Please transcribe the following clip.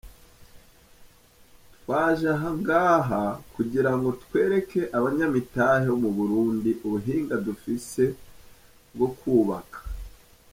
Twaje aha ngaha kugira twereke abanyamitahe bo mu Burundi ubuhinga dufise bwo kwubaka.